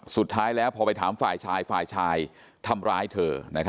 สุดท้ายแล้วพอไปถามฝ่ายชายฝ่ายชายทำร้ายเธอ